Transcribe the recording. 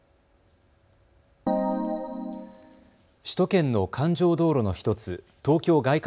首都圏の環状道路の１つ、東京外